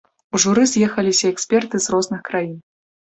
У журы з'ехаліся эксперты з розных краін.